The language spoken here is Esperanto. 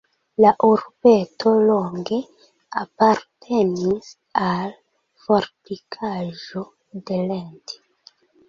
La urbeto longe apartenis al fortikaĵo de Lenti.